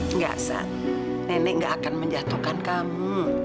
enggak saat nenek gak akan menjatuhkan kamu